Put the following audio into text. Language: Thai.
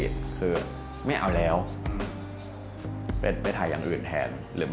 จะไม่เล่นแล้ว